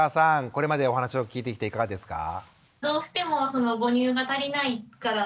これまでお話を聞いてきていかがですか？